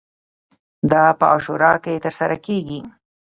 دا په عاشورا کې ترسره کیږي.